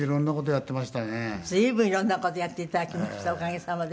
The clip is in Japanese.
随分色んな事やって頂きましたおかげさまで。